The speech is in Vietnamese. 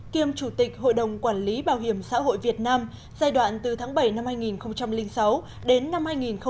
kiêm chủ tịch hội đồng quản lý bảo hiểm xã hội việt nam giai đoạn từ tháng bảy năm hai nghìn sáu đến năm hai nghìn một mươi